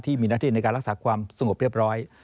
หน้าที่ในการรักษาความสงบเรียบร้อย